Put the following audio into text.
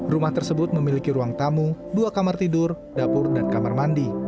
rumah tersebut memiliki ruang tamu dua kamar tidur dapur dan kamar mandi